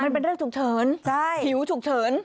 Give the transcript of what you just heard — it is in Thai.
มันเป็นเรื่องฉุกเฉินผิวฉุกเฉิน